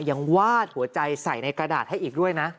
ยังวาดหัวใจใส่ในกระดาษให้อีกด้วยนะ